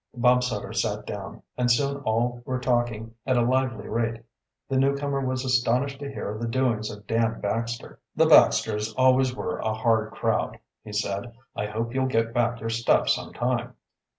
Bob Sutter sat down, and soon all were talking at a lively rate. The newcomer was astonished to hear of the doings of Dan Baxter. "The Baxters always were a hard crowd," he said. "I hope you'll get back your stuff some time."